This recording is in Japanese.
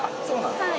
はい。